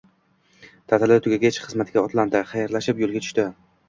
Ta`tili tugagach, xizmatiga otlandi, xayrlashib yo`lga tushdi